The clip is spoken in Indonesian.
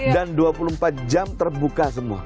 dan dua puluh empat jam terbuka semua